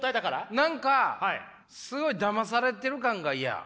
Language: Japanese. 何かすごいだまされてる感が嫌。